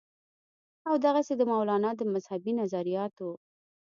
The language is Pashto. او دغسې د مولانا د مذهبي نظرياتو